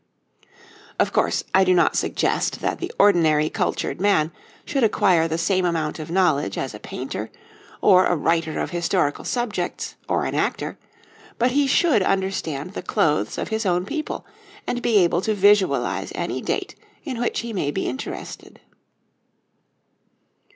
Of course, I do not suggest that the ordinary cultured man should acquire the same amount of knowledge as a painter, or a writer of historical subjects, or an actor, but he should understand the clothes of his own people, and be able to visualize any date in which he may be interested.